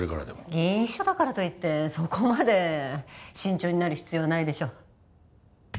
議員秘書だからといってそこまで慎重になる必要はないでしょ。